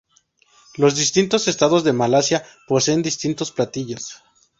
Los distintos estados de Malasia poseen distintos platillos.